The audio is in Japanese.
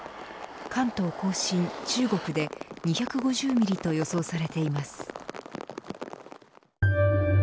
関東甲信、中国で２５０ミリと予想されています。